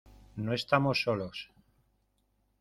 no estamos solos.